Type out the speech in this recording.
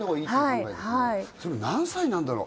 それは何歳なんだろう？